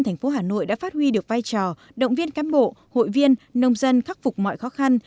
thành phố hà nội đã phát huy được vai trò động viên cán bộ hội viên nông dân khắc phục mọi khó khăn